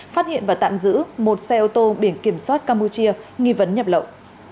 phát hiện và tạm giữ một xe ô tô biển kiểm soát campuchia nghi vấn nhập lậu